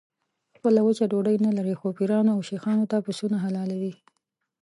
خپله وچه ډوډۍ نه لري خو پیرانو او شیخانو ته پسونه حلالوي.